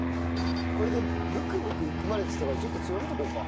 これでブクブクいくまでって言ってたからちょっと強めておこうか。